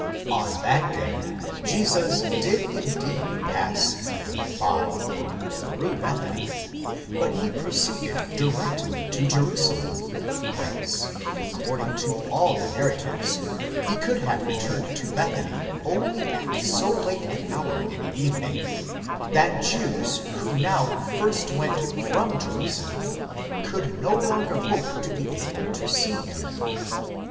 On that day Jesus did indeed pass either by or through Bethany, but he proceeded directly to Jerusalem, whence, according to all the narratives, he could have returned to Bethany only at so late an hour in the evening, that Jews who now first went from Jerusalem, could no longer hope to be able to see him.